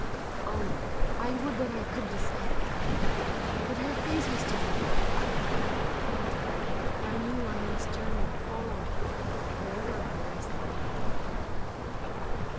' Oh, I would that I could discover. But her face was turned away. And I knew I must turn and follow Wherever her resting lay.'